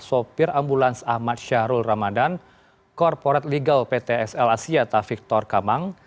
sopir ambulans ahmad syahrul ramadan corporate legal ptsl asiatah victor kamang